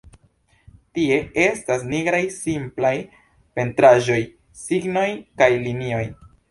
Tie estas nigraj simplaj pentraĵoj, signoj kaj linioj.